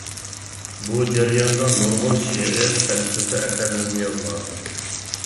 بۇ جەرياندا نۇرغۇن شېئىر، پەلسەپە ئەسەرلىرىنى يازغان.